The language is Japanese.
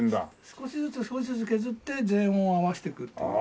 少しずつ少しずつ削って全音を合わせていくっていう。